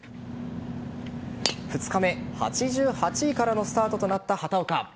２日目８８位からのスタートとなった畑岡。